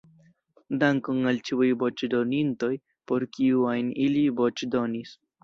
Dankon al ĉiuj voĉdonintoj, por kiu ajn ili voĉdonis.